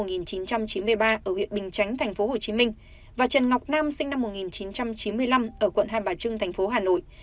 ở huyện bình chánh thành phố hồ chí minh và trần ngọc nam sinh năm một nghìn chín trăm chín mươi năm ở quận hai bà trưng thành phố hà nội